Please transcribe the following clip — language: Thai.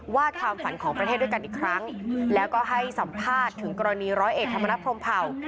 ความฝันของประเทศด้วยกันอีกครั้งแล้วก็ให้สัมภาษณ์ถึงกรณีร้อยเอกธรรมนัฐพรมเผ่า